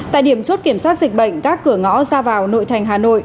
tại điểm chốt kiểm soát dịch bệnh các cửa ngõ ra vào nội thành hà nội